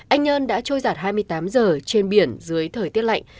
anh nhơn đã trôi giặt hai mươi tám giờ trên biển dưới thời tiết lạnh